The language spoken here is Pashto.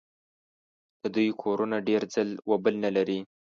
د دوی کورونه ډېر ځل و بل نه لري.